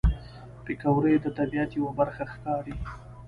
پکورې د طبیعت یوه برخه ښکاري